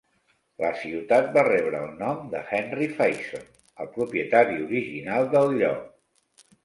La ciutat va rebre el nom de Henry Faison, el propietari original del lloc.